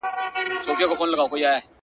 څوك به نيسي ګرېوانونه د غازيانو؛